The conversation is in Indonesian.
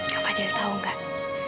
kepada yang tau gak